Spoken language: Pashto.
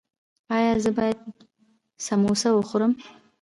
ایا زه باید سموسه وخورم؟